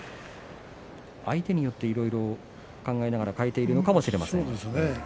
相手によっていろいろ考えながら変えているのかもしれません。